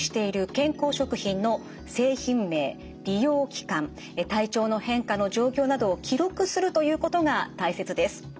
健康食品の製品名利用期間体調の変化の状況などを記録するということが大切です。